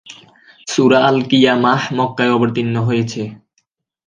সূরা আল-ক্বিয়ামাহ মক্কায় অবতীর্ণ হয়েছে।